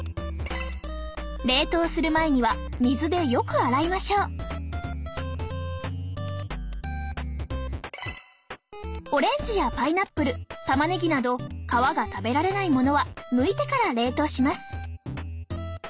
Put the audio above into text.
冷凍する前には水でよく洗いましょうオレンジやパイナップルたまねぎなど皮が食べられないものはむいてから冷凍します